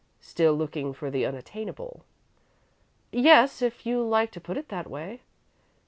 "Still looking for the unattainable?" "Yes, if you like to put it that way."